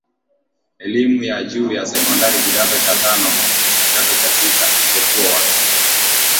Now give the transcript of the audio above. elimu ya juu ya sekondari kidato cha tano na kidato cha sita mchepuo wa